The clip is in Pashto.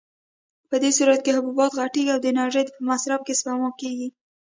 په دې صورت کې حبوبات غټېږي او د انرژۍ په مصرف کې سپما کېږي.